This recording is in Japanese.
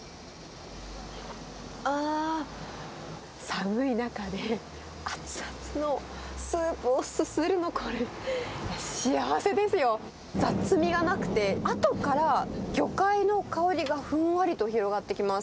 あー、寒い中で、熱々のスープをすするの、これ、幸せですよ。雑味がなくて、あとから魚介の香りがふんわりと広がってきます。